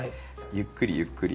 ゆっくりゆっくり。